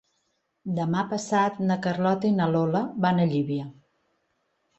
Demà passat na Carlota i na Lola van a Llívia.